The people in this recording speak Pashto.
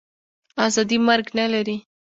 آزادي مرګ نه لري.